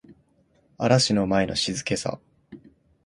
嵐の前の静けさ